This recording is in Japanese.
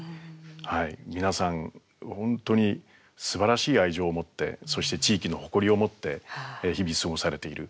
皆さん本当にすばらしい愛情を持ってそして地域の誇りを持って日々過ごされている。